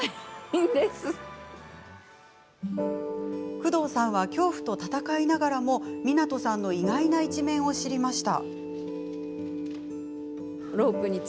工藤さんは恐怖と闘いながらも湊さんの意外な一面を知りました。